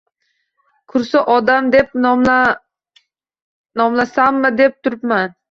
Kursi-odam deb nomlasammi, deb turibman